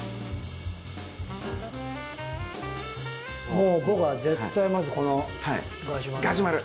もう僕は絶対まずこのガジュマル。